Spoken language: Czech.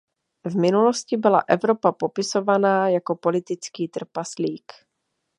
V minulosti byla Evropa popisovaná jako politický trpaslík.